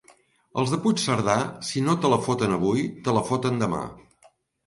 Els de Puigcerdà, si no te la foten avui, te la foten demà.